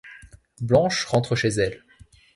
Blanche rentre chez elle.